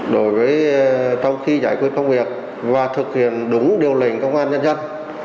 đối với trong khi giải quyết công việc và thực hiện đúng điều lệnh công an nhân dân